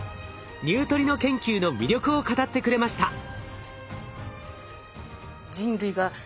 ニュートリノ研究の魅力を語ってくれました。